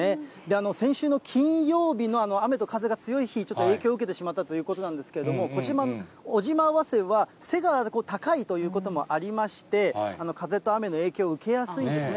先週の金曜日のあの雨と風が強い日、ちょっと影響を受けてしまったということなんですけれども、尾島早生は、背が高いということもありまして、風と雨の影響を受けやすいんですね。